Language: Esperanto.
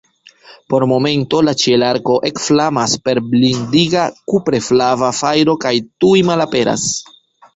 Por momento la ĉielarko ekflamas per blindiga kupre flava fajro kaj tuj malaperas.